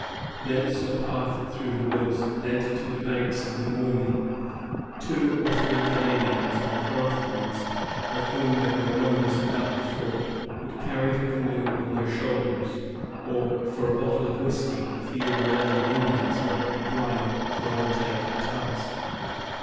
Thence a path through the woods led to the banks of the Maumee. Two or three Canadians, or half breeds, of whom there were numbers about the fort, would carry the canoe on their shoulders, or, for a bottle of whiskey, a few Miami Indians might be bribed to undertake the task.